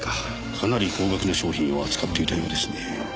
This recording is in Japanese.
かなり高額の商品を扱っていたようですね。